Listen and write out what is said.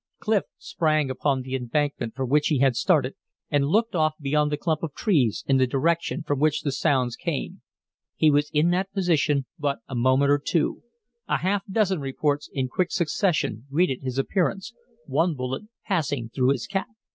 Clif sprang upon the embankment for which he had started, and looked off beyond the clump of trees in the direction from which the sounds came. He was in that position but a moment or two. A half dozen reports in quick succession greeted his appearance one bullet passing through his cap.